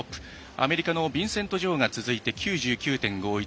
アメリカのビンセント・ジョウが続いて９９．５１